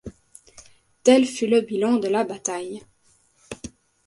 Tel fut le bilan de la bataille.